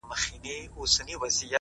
وخت د ژمنتیا تله ده